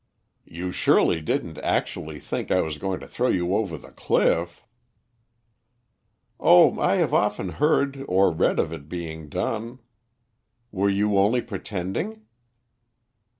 "You surely didn't actually think I was going to throw you over the cliff?" "Oh, I have often heard or read of it being done. Were you only pretending?"